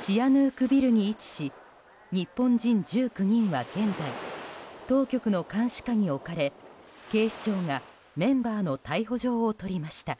シアヌークビルに位置し日本人１９人は現在当局の監視下に置かれ警視庁がメンバーの逮捕状を取りました。